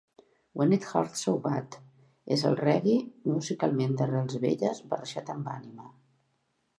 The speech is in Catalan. "When It Hurts So Bad" és el reggae musicalment d'arrels velles barrejat amb ànima.